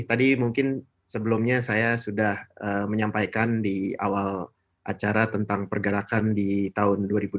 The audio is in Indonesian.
tadi mungkin sebelumnya saya sudah menyampaikan di awal acara tentang pergerakan di tahun dua ribu dua puluh